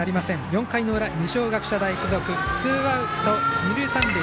４回裏、二松学舎大付属ツーアウト、二塁三塁。